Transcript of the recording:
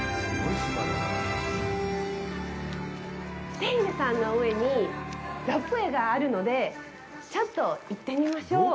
テイデ山の上にロープウエーがあるので、ちょっと行ってみましょう。